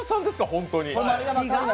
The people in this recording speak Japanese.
本当に？